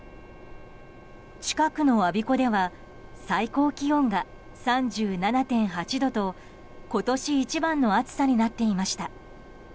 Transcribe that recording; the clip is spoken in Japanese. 近くの我孫子では最高気温が３７．８度と今年一番の暑さになっていました。